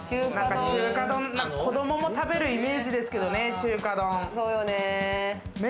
子供も食べるイメージですけどね、中華丼。